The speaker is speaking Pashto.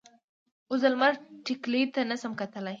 اوس د لمر ټیکلي ته نه شم کتلی.